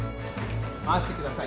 回してください。